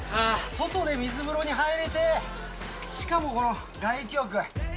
外で水風呂に入れて、しかもこの、外気浴。